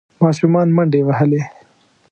ماشومان منډې وهلې.